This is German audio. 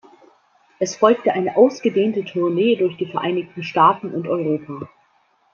Es folgte eine ausgedehnte Tournee durch die Vereinigten Staaten und Europa.